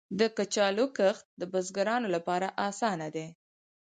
د کچالو کښت د بزګرانو لپاره اسانه دی.